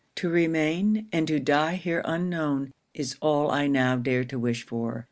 'To remain, and to die here unknown, is all I now dare to wish for.